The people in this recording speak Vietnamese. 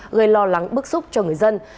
gây lo lắng bức xúc cho người dân